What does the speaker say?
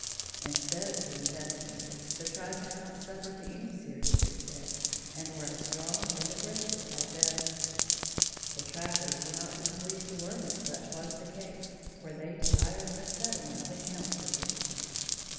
Instead of being decimated, the tribe had not suffered to any serious extent and were as strong and aggressive as ever. The trappers were not displeased to learn that such was the case, for they desired a settlement of accounts with them.